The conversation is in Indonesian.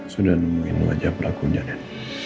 sudah nemuin wajah pelakunya nen